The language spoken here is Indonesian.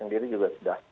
sendiri juga sudah